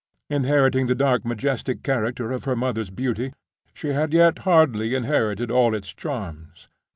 Inheriting the dark majestic character of her mother's beauty, she had yet hardly inherited all its charms.